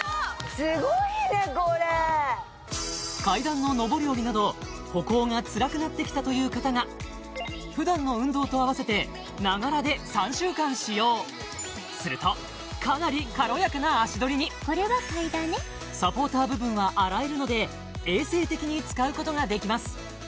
すごいねこれ階段の上り下りなど歩行がつらくなってきたという方が普段の運動と併せてながらで３週間使用するとかなり軽やかな足取りに衛生的に使うことができます